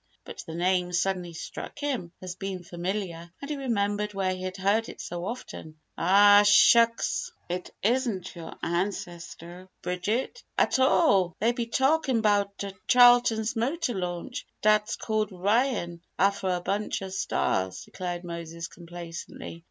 But the name suddenly struck him as being familiar and he remembered where he had heard it so often. "Agh, shucks! It isn't yo' ancestor, Bridget, at all! They be talkin' 'bout th' Charlton's motor launch dat's called 'Ryan affer a bunch ov stars!" declared Moses, complacently.